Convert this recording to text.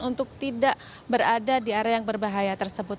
untuk tidak berada di area yang berbahaya tersebut